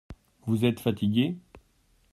Vous êtes fatigué ?